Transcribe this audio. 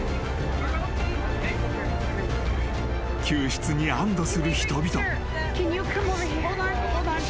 ［救出に安堵する人々］